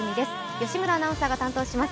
吉村アナウンサーが担当します。